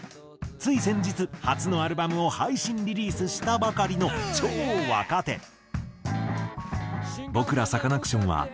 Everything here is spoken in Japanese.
つい先日初のアルバムを配信リリースしたばかりの超若手。